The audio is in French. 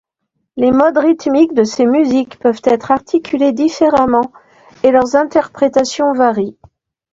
Les modes rythmiques de ces musiques peuvent être articulés différemment, et leurs interprétations varient.